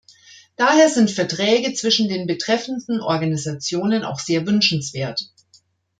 Daher sind Verträge zwischen den betreffenden Organisationen auch sehr wünschenswert.